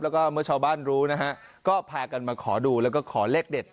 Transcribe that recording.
แล้วก็เมื่อชาวบ้านรู้นะฮะก็พากันมาขอดูแล้วก็ขอเลขเด็ด